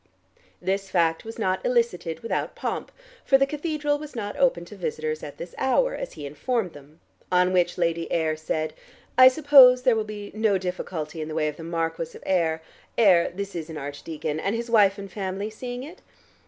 This fact was not elicited without pomp, for the cathedral was not open to visitors at this hour, as he informed them, on which Lady Ayr said, "I suppose there will be no difficulty in the way of the Marquis of Ayr Ayr, this is an archdeacon and his wife and family seeing it."